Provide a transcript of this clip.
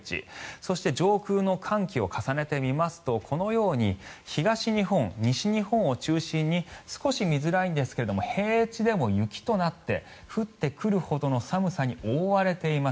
そして上空の寒気を重ねてみますとこのように東日本、西日本を中心に少し見づらいですが平地でも雪となって降ってくるほどの寒さに覆われています。